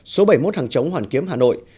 số bảy mươi một hàng chống hoàn kiếm hà nội